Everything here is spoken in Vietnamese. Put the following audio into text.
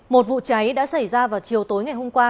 một vụ cháy đã xảy ra vào chiều tối ngày hôm qua